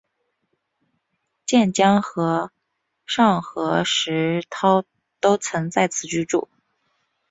渐江和尚和石涛都曾在此居住。